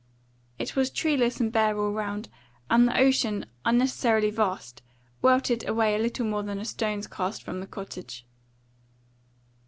It was treeless and bare all round, and the ocean, unnecessarily vast, weltered away a little more than a stone's cast from the cottage.